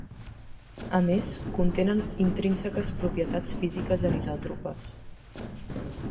A més, contenen intrínseques propietats físiques anisòtropes.